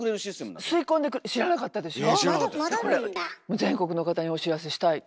全国の方にお知らせしたい。